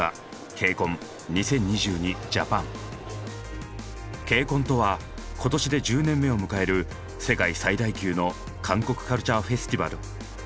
ＫＣＯＮとは今年で１０年目を迎える世界最大級の韓国カルチャーフェスティバル。